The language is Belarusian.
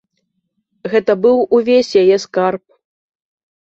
Гэта быў увесь яе скарб.